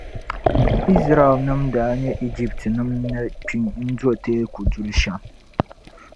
Izraɛlnim’ daa nya Ijiptinim’ ni kpi n-do teeku duli shɛm.